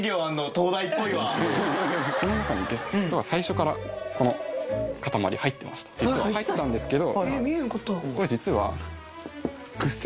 この中に実は最初からこの塊入ってました実は入ってたんですけど